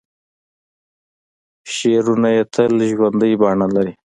شعرونه یې تل ژوندۍ بڼه لري.